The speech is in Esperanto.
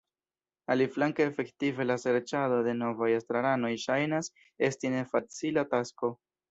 Aliflanke efektive la serĉado de novaj estraranoj ŝajnas esti nefacila tasko.